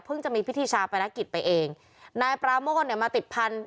เพิ่งจะมีพิธิชาภารกิจไปเองนายปราโม่เนี่ยมาติดพันธุ์